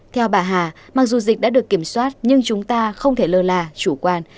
theo bà hà mặc dù dịch đã được kiểm soát nhưng chúng ta không thể lơ là chủ quan